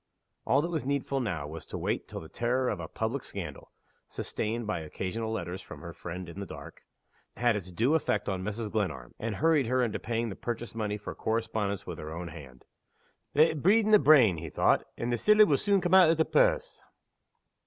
All that was needful now was to wait till the terror of a public scandal (sustained by occasional letters from her "Friend in the Dark") had its due effect on Mrs. Glenarm, and hurried her into paying the purchase money for the correspondence with her own hand. "Let it breed in the brain," he thought, "and the siller will soon come out o' the purse."